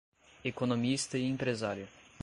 Economista e empresária